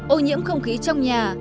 ô nhiễm không khí trong nhà